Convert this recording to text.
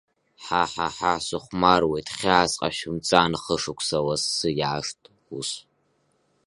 Ҳа, ҳа, ҳа сыхәмаруеит, хьаас сҟашәымҵан хышықәса лассы иаашт, ус…